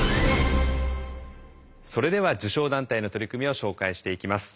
それでは受賞団体の取り組みを紹介していきます。